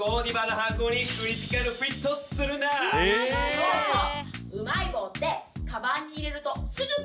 そうそう！